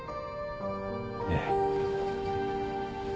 ええ。